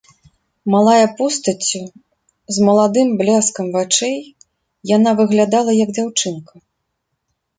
Малая постаццю, з маладым бляскам вачэй, яна выглядала, як дзяўчынка.